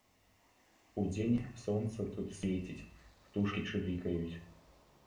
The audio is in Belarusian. Удзень сонца тут свеціць, птушкі чылікаюць.